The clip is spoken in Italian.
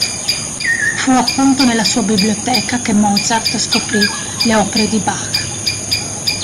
Fu appunto nella sua biblioteca che Mozart scoprì le opere di Bach.